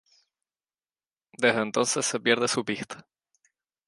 Desde entonces se pierde su pista.